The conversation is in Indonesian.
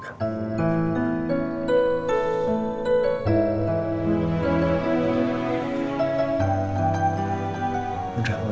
gak ada apa apa